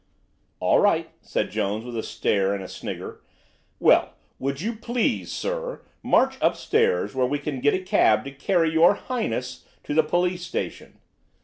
'" "All right," said Jones with a stare and a snigger. "Well, would you please, sir, march upstairs, where we can get a cab to carry your Highness to the police station?"